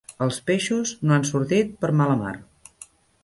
Els peixos no han sortit per mala mar.